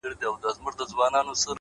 چي ته راځې تر هغو خاندمه، خدایان خندوم،